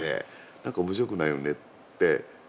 何か面白くないよねって。